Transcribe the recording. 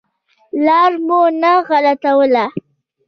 لار مو نه غلطوله.